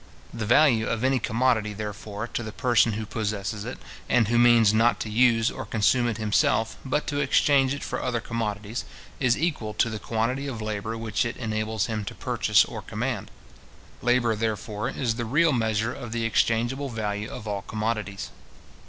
The value of any commodity, therefore, to the person who possesses it, and who means not to use or consume it himself, but to exchange it for other commodities, is equal to the quantity of labour which it enables him to purchase or command. Labour therefore, is the real measure of the exchangeable value of all commodities.